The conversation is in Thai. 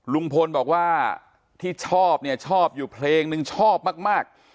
ลุงพลบอกว่าที่ชอบเนี่ยชอบอยู่เพลงนึงชอบมาก